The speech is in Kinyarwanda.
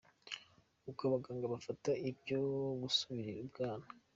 Uko abaganga bafata ibyo gusubira ibwana.